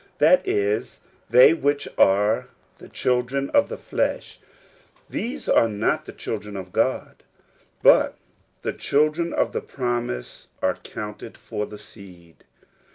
That is, Thejr which are the children of the flesh, these are not the children of God: but the children of the prom ise are counted for the seed.